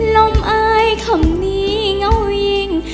ล้ำอ้ายคำนี้เงาหญิง